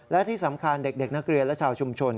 และที่สำคัญเด็กนักเรียนและชาวชุมชน